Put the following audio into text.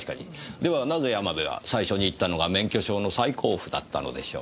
ではなぜ山部は最初に行ったのが免許証の再交付だったのでしょう。